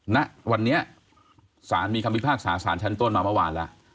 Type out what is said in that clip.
ณวันนี้ศาลมีคำพิพากษาสารชั้นต้นมาเมื่อวานแล้ว